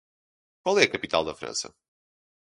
Qual é a capital da França?